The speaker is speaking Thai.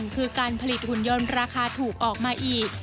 คือการผลิตหุ่นยนต์ราคาถูกออกมาอีก